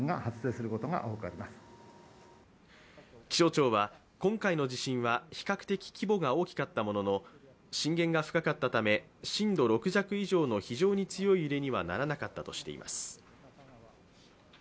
気象庁は、今回の地震は比較的規模が大きかったものの震源が深かったため、震度６弱以上の非常に強い揺れにはならなかったとしています。